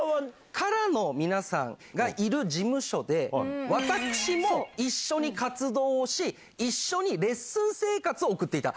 ＫＡＲＡの皆さんがいる事務所で、私も一緒に活動をし、一緒にレッスン生活を送っていた。